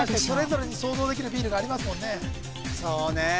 それぞれに想像できるビールがありますもんね